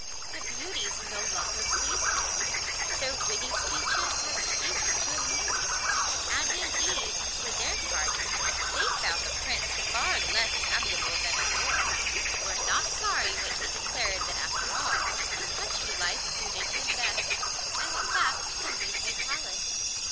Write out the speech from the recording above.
The beauties no longer pleased him, their witty speeches had ceased to amuse; and indeed, for their parts, they found the Prince far less amiable than of yore, and were not sorry when he declared that, after all, a country life suited him best, and went back to the Leafy Palace.